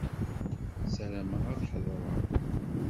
Sarameɣ ad ḥeḍreɣ.